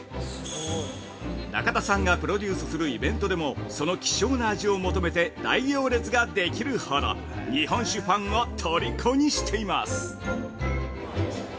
◆中田さんがプロデュースするイベントでもその希少な味を求めて大行列ができるほど日本酒ファンをとりこにしています。